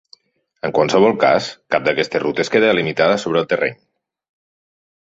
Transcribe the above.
En qualsevol cas, cap d'aquestes rutes queda delimitada sobre el terreny.